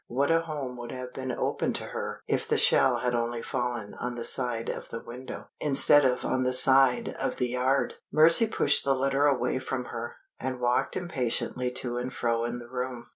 what a home would have been open to her if the shell had only fallen on the side of the window, instead of on the side of the yard! Mercy pushed the letter away from her, and walked impatiently to and fro in the room.